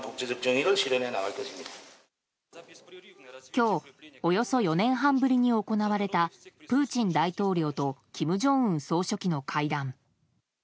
今日およそ４年半ぶりに行われたプーチン大統領と金正恩総書記の会談。